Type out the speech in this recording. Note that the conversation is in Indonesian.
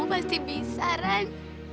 kamu pasti bisa ran